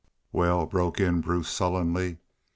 "Wal," broke in Bruce, sullenly.